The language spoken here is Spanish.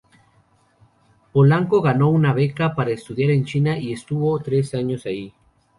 Polanco ganó una beca para estudiar en China, y estuvo tres años ahí.